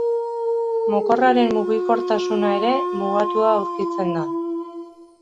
Mokorraren mugikortasuna ere mugatua aurkitzen da.